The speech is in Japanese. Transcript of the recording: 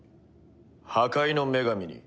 破壊の女神に。